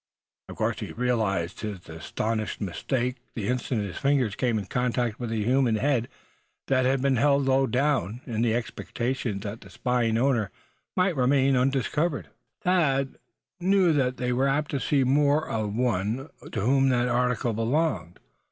Of course he realized his astonishing mistake the instant his fingers came in contact with a human head that had been held low down, in the expectation that the spying owner might remain undiscovered. Thad knew that they were apt to see more of the one to whom that article belonged.